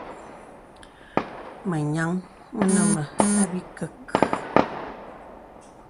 Mə nyāŋ mə nə mə̀ àbìkək.